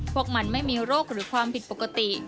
พวกมันไม่มีโรคหรือความผิดปกติ